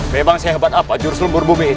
memang sehebat apa jurus lebur bumi itu